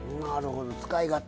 使い勝手